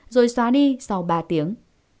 rồi xóa đi sau ba tiếng